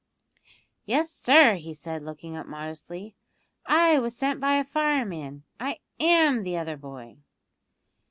"Yes, sir," he said, looking up modestly, "I was sent by a fireman; I am the other boy."